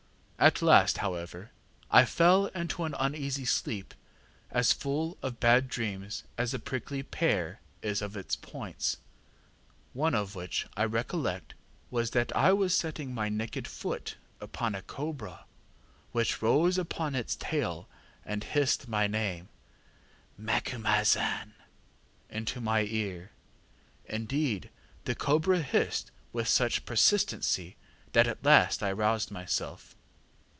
ŌĆ£At last, however, I fell into an uneasy sleep as full of bad dreams as a prickly pear is of points, one of which, I recollect, was that I was setting my naked foot upon a cobra which rose upon its tail and hissed my name, ŌĆśMacumazahn, ŌĆÖ into my ear. Indeed, the cobra hissed with such persistency that at last I roused myself.